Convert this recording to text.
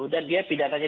dan dia pindahannya